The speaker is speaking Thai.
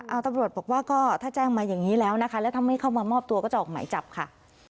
เอาตำรวจบอกว่าก็ถ้าแจ้งมาอย่างนี้แล้วนะคะแล้วถ้าไม่เข้ามามอบตัวก็จะออกหมายจับค่ะ